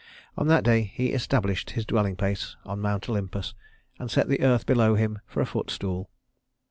On that day he established his dwelling place on Mount Olympus, and set the earth below him for a footstool.